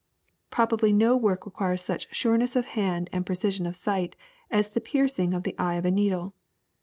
*^ Probably no work requires such sureness of hand and precision of sight as the piercing of the eye of a needle.